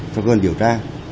cho cơ quan điều tra